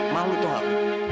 malu tahu nggak